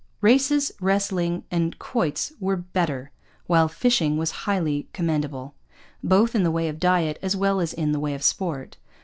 Races, wrestling, and quoits were better; while fishing was highly commendable, both in the way of diet as well as in the way of sport.